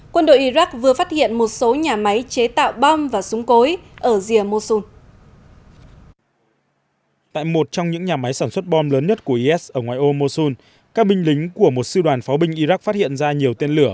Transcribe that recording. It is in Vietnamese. quân đội iraq vừa phát hiện một số nhà máy chế tạo bom và súng cối ở rìa mosun